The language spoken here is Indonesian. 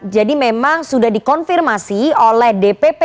jadi memang sudah dikonfirmasi oleh dpp